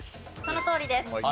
そのとおりです。